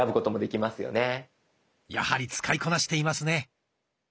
やはり使いこなしていますね。